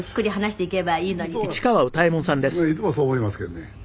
いつもそう思いますけどね」